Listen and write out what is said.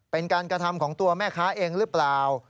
เป็นการกระทำของตัวแม่ค้าเองหรือเปล่า